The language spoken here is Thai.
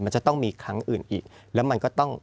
มันจะต้องมีครั้งอื่นอีกแล้วมันก็ต้อง